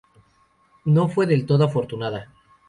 No fue del todo afortunada.